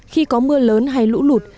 khi có mưa lớn hay lũ lụt